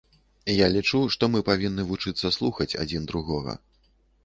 Я лічу, што мы павінны вучыцца слухаць адзін другога.